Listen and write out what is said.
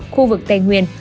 khu vực tây nguyên